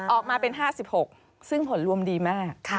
ออกมาเป็น๕๖ซึ่งผลรวมดีมาก